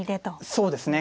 そうですね。